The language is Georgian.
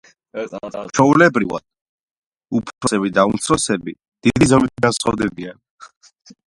ჩვეულებრივ, უფროსები გამოირჩევიან დიდი ზომითა და სიცოცხლით.